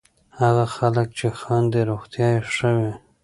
هغه خلک چې خاندي، روغتیا یې ښه وي.